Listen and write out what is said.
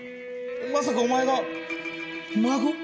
まさかお前が孫？